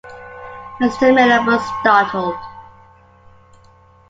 Mr. Miller was startled.